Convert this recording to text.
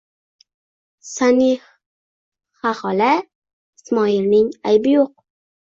Sanixahola, Ismoilning aybi yo'q.